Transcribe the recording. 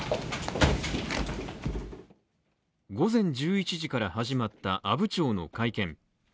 午前１１時から始まった阿武町の会見。